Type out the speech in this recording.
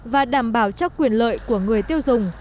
và đảm bảo cho quyền lợi của người tiêu dùng